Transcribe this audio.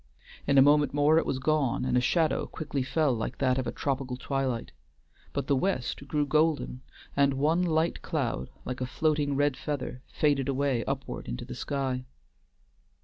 In a moment more it was gone, and a shadow quickly fell like that of a tropical twilight; but the west grew golden, and one light cloud, like a floating red feather, faded away upward into the sky.